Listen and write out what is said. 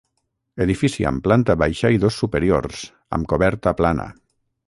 Edifici amb planta baixa i dos superiors, amb coberta plana.